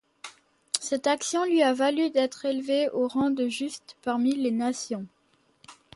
Cette action lui a valu d'être élevé au rang de Juste parmi les nations.